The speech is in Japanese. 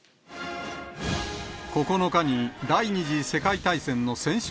９日に第２次世界大戦の戦勝